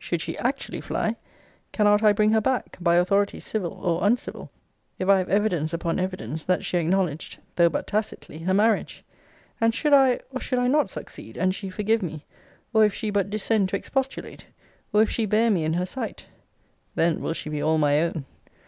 Should she actually fly, cannot I bring her back, by authority civil or uncivil, if I have evidence upon evidence that she acknowledged, though but tacitly, her marriage? And should I, or should I not succeed, and she forgive me, or if she but descend to expostulate, or if she bear me in her sight, then will she be all my own.